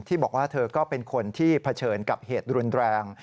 บอกว่าเธอก็เป็นคนที่เผชิญกับเหตุรุนแรง